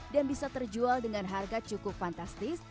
dan bisa terjual dengan harga cukup fantastis